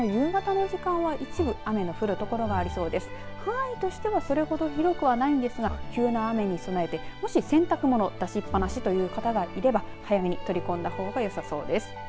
範囲としてはそれほど広くはないんですが急な雨に備えて、もし洗濯物出しっぱなしという方がいれば早めに取り込んだほうがよさそうです。